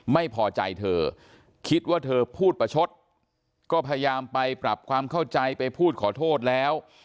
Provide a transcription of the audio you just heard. ไม่พอใจเธอคิดว่าเธอพูดประชดก็พยายามไปปรับความเข้าใจไปพูดขอโทษแล้ว